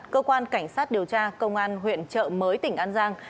cơ quan cảnh sát điều tra công an huyện trợ mới tỉnh an giang